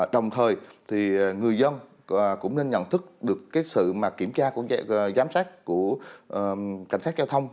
đồng thời thì người dân cũng nên nhận thức được sự kiểm tra giám sát của cảnh sát giao thông